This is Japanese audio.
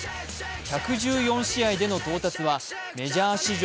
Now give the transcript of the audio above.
１１４試合での到達はメジャー史上